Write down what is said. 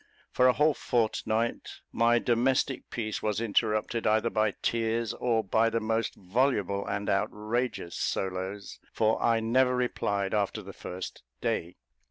For a whole fortnight, my domestic peace was interrupted either by tears, or by the most voluble and outrageous solos, for I never replied after the first day.